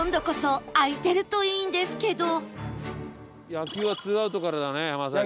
野球は２アウトからだねまさに。